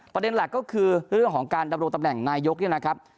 ประเด็นหลักก็คือเรื่องของการดำรงตำแหน่งนายกเนี่ยนะครับ